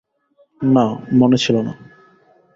না, মনে ছিল না।